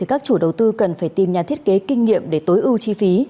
các chủ đầu tư cần phải tìm nhà thiết kế kinh nghiệm để tối ưu chi phí